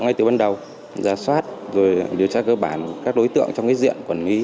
ngay từ ban đầu ra soát rồi điều tra cơ bản các đối tượng trong cái diện quản lý